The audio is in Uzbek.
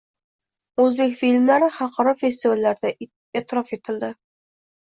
O‘zbek filmlari xalqaro festivallarda e’tirof etilding